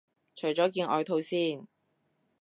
除咗件外套先